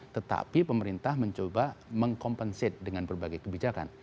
tetapi pemerintah mencoba mengkompensate dengan berbagai kebijakan